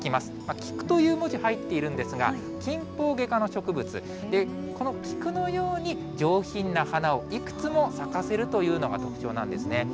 菊という文字、入っているんですが、キンポウゲ科の植物、この菊のように上品な花をいくつも咲かせるというのが特徴なんですね。